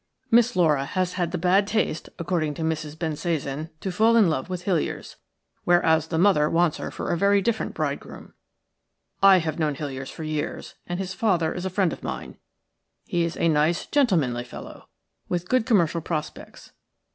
Miss Laura has had the bad taste, according to Mrs. Bensasan, to fall in love with Hiliers, whereas the mother wants her for a very different bridegroom. I have known Hiliers for years, and his father is a friend of mine. He is a nice, gentlemanly fellow, with good commercial prospects.